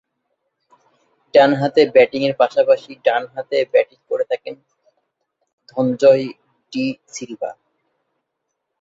ডানহাতে ব্যাটিংয়ের পাশাপাশি ডানহাতে ব্যাটিং করে থাকেন ধনঞ্জয় ডি সিলভা।